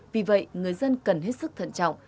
vì vậy người dân cần hết sức thận trọng